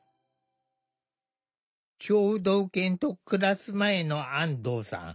聴導犬と暮らす前の安藤さん。